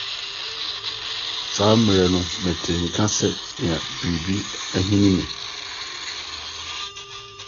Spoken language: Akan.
Saa bere no metee nka sɛ nea biribi ahini me.